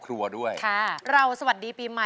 อ้าวนึกว่า